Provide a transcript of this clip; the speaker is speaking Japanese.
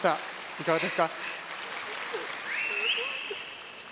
いかがですか？